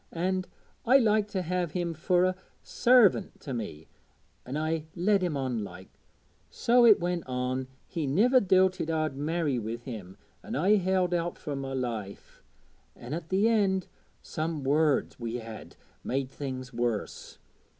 An' I liked to have him fur a sarvint to me, an' I led him on like. So it went on he niver doubted I'd marry wi' him, an' I held out fur my life. Then at th' end, some words we had made things worse.